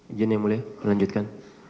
injilnya boleh melanjutkan